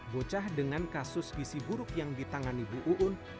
bocah dengan kasus gisi buruk yang ditangani bu uun